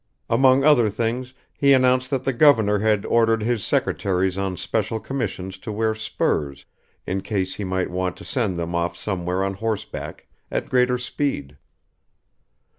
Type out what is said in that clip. Among other things, he announced that the governor had ordered his secretaries on special commissions to wear spurs, in case he might want to send them off somewhere on horseback, at greater speed.